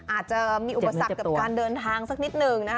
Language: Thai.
อาจจะมีอุปสรรคกับการเดินทางสักนิดหนึ่งนะคะ